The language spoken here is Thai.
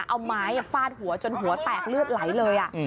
เอาไม้ฟาดหัวจนหัวแตกเลือดไหลเลย